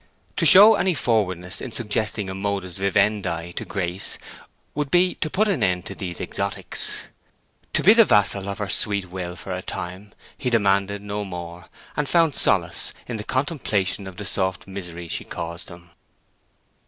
To show any forwardness in suggesting a modus vivendi to Grace would be to put an end to these exotics. To be the vassal of her sweet will for a time, he demanded no more, and found solace in the contemplation of the soft miseries she caused him.